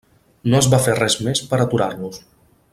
No es va fer res més per aturar-los.